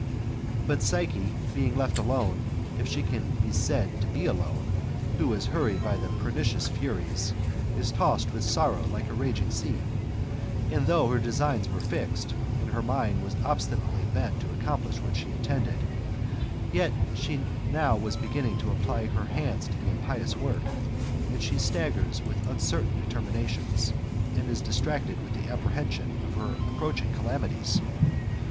But Psyche being left atone, if she catn he said to be ^fone, who is hurried along by pernicious FurTes^, is tossed witii sorrow like a raging sea ; and though her designs wete fixed, and he( mind was obstinately bent to accomplish what she intended yet, flow she was beginning to apply her hands to the impioOs work, she staggers with uncertain determinations, arid is dis tracted with the apprehension of her approaching dilamities.